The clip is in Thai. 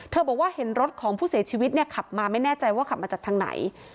บอกว่าเห็นรถของผู้เสียชีวิตเนี่ยขับมาไม่แน่ใจว่าขับมาจากทางไหน